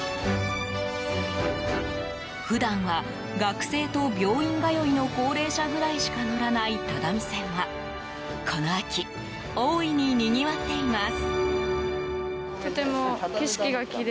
普段は、学生と病院通いの高齢者ぐらいしか乗らない只見線は、この秋大いににぎわっています。